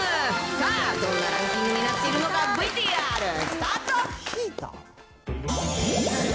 さあ、どんなランキングになっているのか、ＶＴＲスタート。